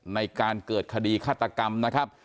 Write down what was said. ในการเกิดคดีฆาตกรรมนะครับ